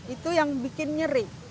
itu yang bikin nyeri